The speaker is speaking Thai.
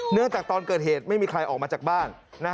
เนื่องจากตอนเกิดเหตุไม่มีใครออกมาจากบ้าน